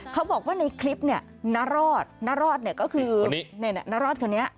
เขาบอกว่าในคลิปนี่นารอดก็คือนารอดคนนี้